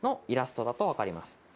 イラストだと分かります。